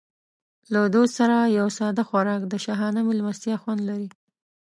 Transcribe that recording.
له دوست سره یو ساده خوراک د شاهانه مېلمستیا خوند لري.